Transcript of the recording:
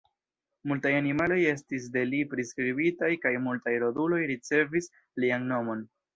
Multaj animaloj estis de li priskribitaj kaj multaj roduloj ricevis lian nomon.